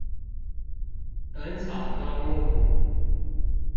本草綱目